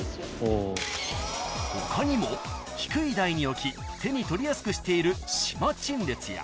［他にも低い台に置き手に取りやすくしている島陳列や］